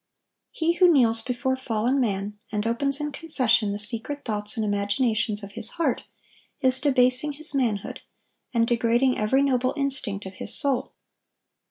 He who kneels before fallen man, and opens in confession the secret thoughts and imaginations of his heart, is debasing his manhood, and degrading every noble instinct of his soul.